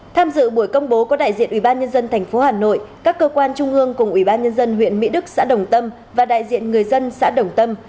tham dự buổi công bố có đại diện ủy ban nhân dân tp hà nội các cơ quan trung ương cùng ủy ban nhân dân huyện mỹ đức xã đồng tâm và đại diện người dân xã đồng tâm